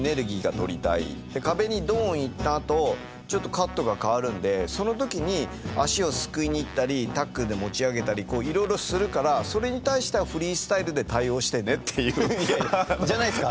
壁にドン行ったあとちょっとカットが変わるんでその時に足をすくいに行ったりタックルで持ち上げたりいろいろするからそれに対してはじゃないですか。